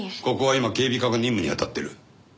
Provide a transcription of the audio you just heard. ここは今警備課が任務に当たっている。